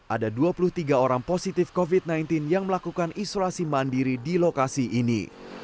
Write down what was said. ada dua puluh tiga orang positif covid sembilan belas yang melakukan isolasi mandiri di lokasi ini